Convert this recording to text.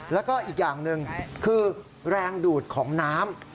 แล้วก็อีกอย่างหนึ่งคือแรงดูดของน้ำ